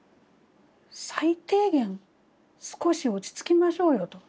最低限少し落ち着きましょうよと。